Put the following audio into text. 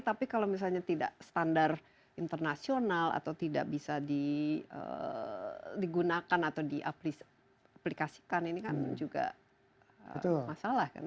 tapi kalau misalnya tidak standar internasional atau tidak bisa digunakan atau diaplikasikan ini kan juga masalah kan